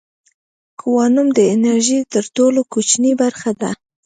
کوانوم د انرژۍ تر ټولو کوچنۍ برخه ده.